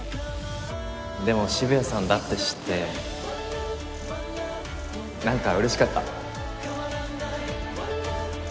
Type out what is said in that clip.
でも渋谷さんだって知ってなんか嬉しかった。